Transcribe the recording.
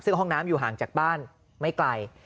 ซึ่งห้องน้ำอยู่ห่างจากบ้านไม่ไกล